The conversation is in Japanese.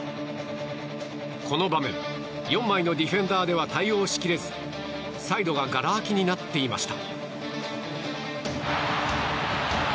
この場面４枚のディフェンダーでは対応しきれずサイドががら空きになっていました。